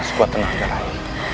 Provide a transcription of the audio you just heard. sekuat tenangnya rai